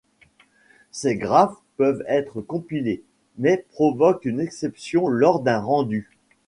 Ces graphes peuvent être compilés, mais provoquent une exception lors d'un rendu.